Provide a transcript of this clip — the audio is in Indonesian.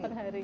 per hari iya